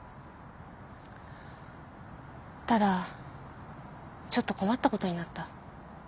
ただちょっと困ったことになった。